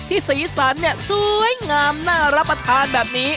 สีสันเนี่ยสวยงามน่ารับประทานแบบนี้